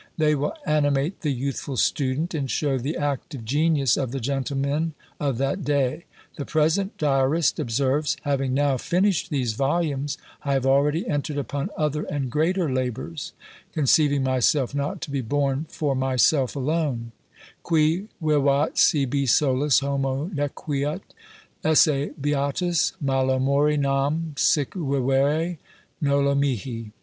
They will animate the youthful student, and show the active genius of the gentlemen of that day. The present diarist observes, "Having now finished these volumes, I have already entered upon other and greater labours, conceiving myself not to be born for myself alone, "Qui vivat sibi solus, homo nequit esse beatus, Malo mori, nam sic vivere nolo mihi."